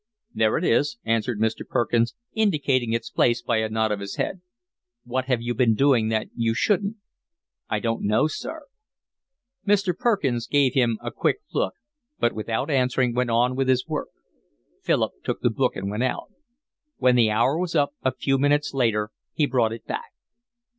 "There it is," answered Mr. Perkins, indicating its place by a nod of his head. "What have you been doing that you shouldn't?" "I don't know, sir." Mr. Perkins gave him a quick look, but without answering went on with his work. Philip took the book and went out. When the hour was up, a few minutes later, he brought it back.